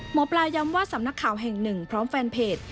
หมอปลาย้ำว่าสำนักข่าวแห่งหนึ่งพร้อมแฟนเพจ